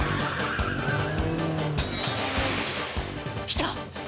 来た！